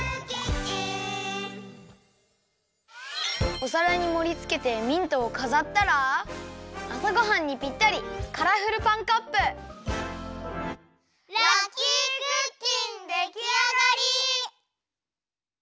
おさらにもりつけてミントをかざったらあさごはんにぴったりラッキークッキンできあがり！